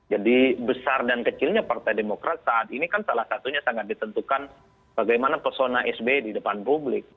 jadi besar dan kecilnya partai demokrat saat ini kan salah satunya sangat ditentukan bagaimana persona sby di depan publik